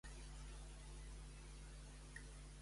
Quin és el vincle de parentiu amb Podarces?